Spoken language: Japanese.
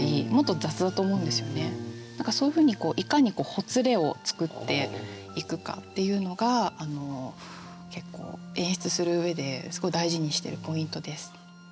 そういうふうにいかにほつれを作っていくかっていうのが結構演出する上ですごい大事にしているポイントです。